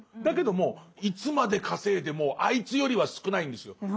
だけどもいつまで稼いでもあいつよりは少ないんですよ。